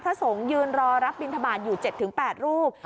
พระสงฆ์ยืนรอรับบินทบาทอยู่๗๘รูป